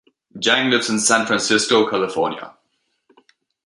Jang lives in San Francisco, California.